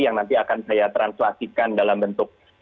yang nanti akan saya translasikan dalam bentuk